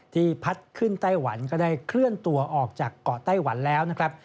พัดขึ้นไต้หวันก็ได้เคลื่อนตัวออกจากเกาะไต้หวันแล้วนะครับ